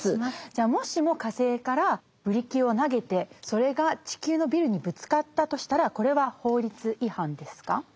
もしも火星からブリキを投げてそれが地球のビルにぶつかったとしたらこれは法律違反ですか？